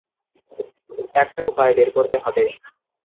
একটা উপায় বের করতে হবে।